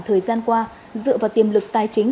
thời gian qua dựa vào tiềm lực tài chính